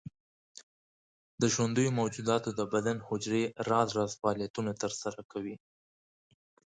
د ژوندیو موجوداتو د بدن حجرې راز راز فعالیتونه تر سره کوي.